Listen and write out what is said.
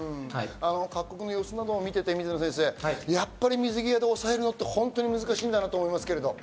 各国の様子を見ていて、やっぱり水際で抑えるのって本当に難しいなと思いますけど。